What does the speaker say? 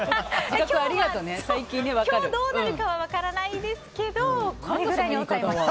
今日どうなるかは分からないですけどこれくらいに抑えました。